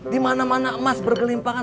dimana mana emas bergelimpangan